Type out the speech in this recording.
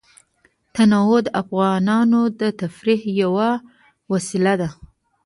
تنوع د افغانانو د تفریح یوه وسیله ده.